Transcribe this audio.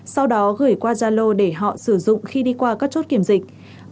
sau đó gửi qua gia lô để họ sử dụng khi đi qua các chốt kiểm dịch